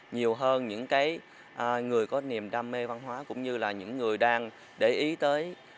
nhiều hơn những người có niềm đam mê văn hóa cũng như là những người đang để ý tới